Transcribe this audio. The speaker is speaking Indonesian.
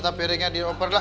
dapet piringnya diompor lah